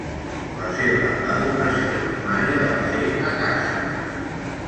La seva educació primària va ser a casa.